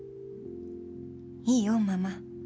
いいよママ。